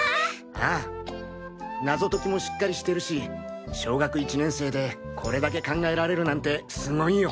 ああ謎解きもしっかりしてるし小学１年生でこれだけ考えられるなんてすごいよ！